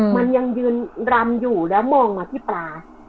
มันยังยืนรำอยู่แล้วมองมาที่ปลา